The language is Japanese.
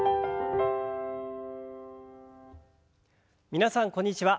皆さんこんにちは。